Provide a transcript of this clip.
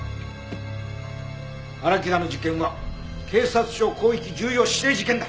荒木田の事件は警察庁広域重要指定事件だ！